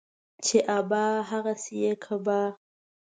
چي ابا ، هغه سي يې کبا.